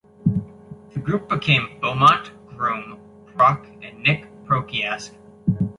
The group became Beaumont, Groom, Proch, and Nick Pociask.